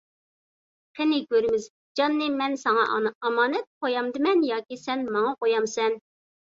قېنى كۆرىمىز، جاننى مەن ساڭا ئامانەت قويامدىمەن ياكى سەن ماڭا قويامسەن!